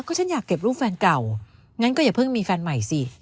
ก็ฉันอยากเก็บรูปแฟนเก่างั้นก็อย่าเพิ่งมีแฟนใหม่สิ